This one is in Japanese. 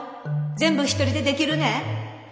全部１人でできるねぇ？